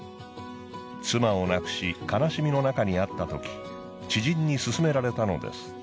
妻を亡くし悲しみのなかにあったとき知人に勧められたのです。